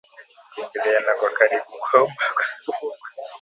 Kuingiliana kwa karibu kwa mbwa wa kufugwa